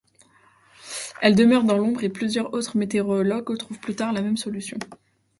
Elle demeure dans l'ombre et plusieurs autres météorologues trouvent plus tard la même solution.